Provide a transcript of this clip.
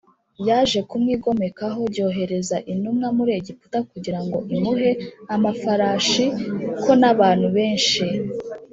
yaje kumwigomekaho j yohereza intumwa muri Egiputa kugira ngo imuhe amafarashi k n abantu benshi